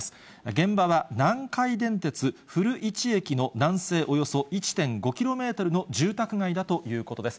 現場は南海電鉄古市駅の南西およそ１．５キロメートルの住宅街だということです。